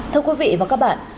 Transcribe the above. thưa quý vị và các bạn